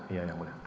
iya yang mulia